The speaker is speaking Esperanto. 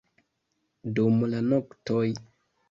dum la noktoj